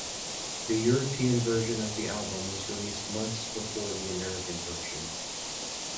The European version of the album was released months before the American version.